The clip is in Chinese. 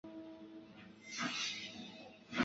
该海岸保护区是香港现时唯一一个海岸保护区。